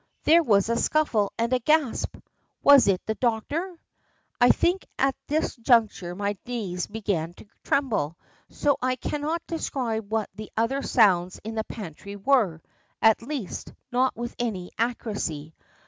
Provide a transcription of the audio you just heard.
There was a scuffle and a gasp. Was it the doctor? I think at this juncture my knees began to tremble; so I cannot describe what the other sounds in the pantry were at least, not with any accuracy.